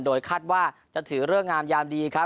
โดยคาดว่าจะถือเลิกงามยามดีครับ